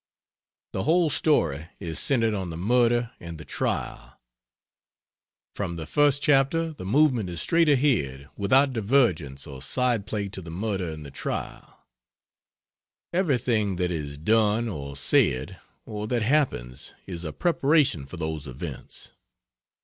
The whole story is centered on the murder and the trial; from the first chapter the movement is straight ahead without divergence or side play to the murder and the trial; everything that is done or said or that happens is a preparation for those events.